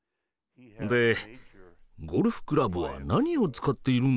で「ゴルフクラブは何を使っているんだ？